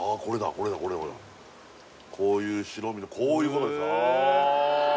これだこれほらこういう白身のこういうことですああ